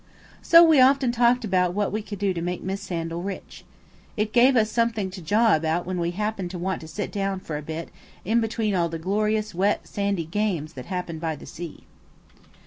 So we often talked about what we could do to make Miss Sandal rich. It gave us something to jaw about when we happened to want to sit down for a bit in between all the glorious wet sandy games that happen by the sea.